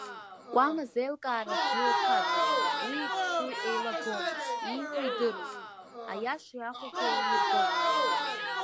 Кәама зеилкаара бзиоу хаҵоуп, уи ихшыҩ еилагом, ииҳәо идыруеит, аиашеи ахәахәеи еилиргоит.